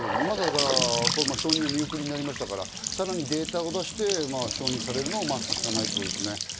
承認は見送りになりましたから、さらにデータを出して承認されるのを待つしかないってことですね。